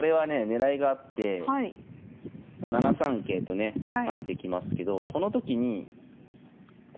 狙いがあって７三桂とね跳ねてきますけどこの時にはあ！